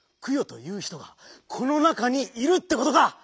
「くよ」という人がこの中にいるってことか！